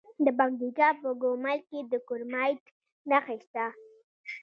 د پکتیکا په ګومل کې د کرومایټ نښې شته.